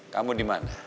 kamu di mana